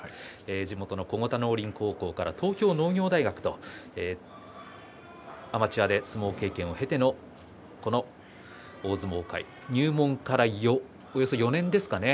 地元の小牛田農林高校から東京農業大学とアマチュアで相撲経験を経てのこの大相撲界入門からおよそ４年ですかね。